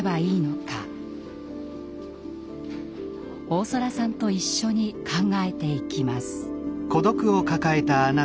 大空さんと一緒に考えていきます。